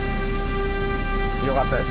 よかったです。